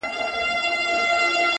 بې غاښو خوله به یې وازه وه نیولې!.